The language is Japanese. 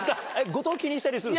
後藤気にしたりする？